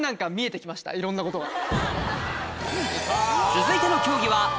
いろんなことが。